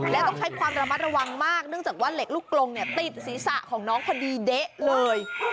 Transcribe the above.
และต้องใช้ความระมัดระวังมากเนื่องจากว่าเหล็กลูกกลงเนี่ยติดศีรษะของน้องพอดีเด๊ะเลย